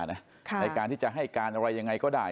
ในการที่จะให้การอะไรยังไงก็ได้